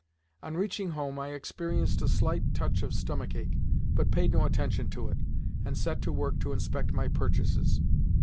On reaching home, I experienced a slight touch of stomach ache, but paid no attention to it, and set to work to inspect my purchases.